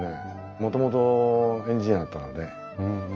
もともとエンジニアだったので。